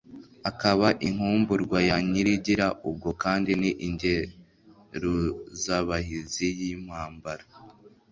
Akaba inkumburwa ya Nyirigira.Ubwo kandi ni Ingeruzabahizi y' impambara